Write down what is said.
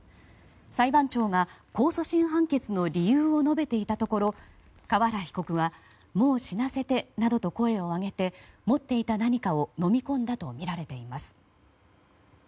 裁判長が控訴審判決の理由を述べていたところ河原被告はもう死なせてと声を上げて、持っていた何かを飲み込んだとみられています。